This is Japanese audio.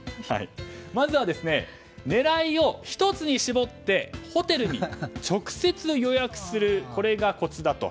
まずは、狙いを１つに絞ってホテルに直接予約するこれがコツだと。